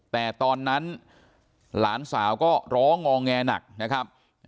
แต่ตอนนั้นหลานสาวก็ร้องงอแงหนักนะครับ